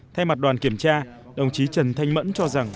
thay mặt đoàn kiểm tra đồng chí trần thanh mẫn cho rằng